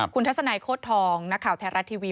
คุณทัศนัยโคตรทองนักข่าวไทยรัฐทีวี